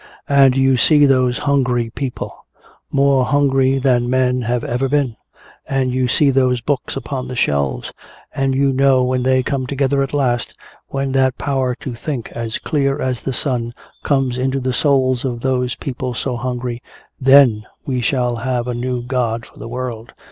And you see those hungry people more hungry than men have ever been. And you see those books upon the shelves. And you know when they come together at last, when that power to think as clear as the sun comes into the souls of those people so hungry, then we shall have a new god for the world.